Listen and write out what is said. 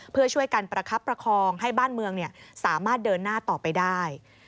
เพื่อช่วยกันประคับประคองให้บ้านเมืองสามารถเดินหน้าต่อไปได้